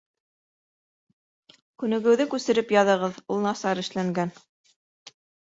Күнегеүҙе күсереп яҙығыҙ, ул насар эшләнгән